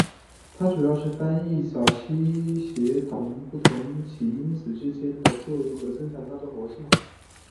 它主要是在翻译起始早期协同不同起始因子间的作用和增强它们的活性。